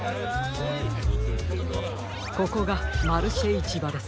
ここがマルシェいちばです。